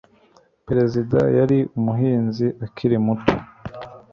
Perezida yari umuhinzi akiri muto